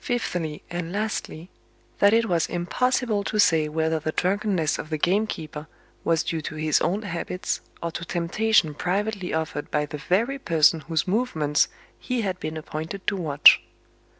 Fifthly, and lastly: that it was impossible to say whether the drunkenness of the gamekeeper was due to his own habits, or to temptation privately offered by the very person whose movements he had been appointed to watch.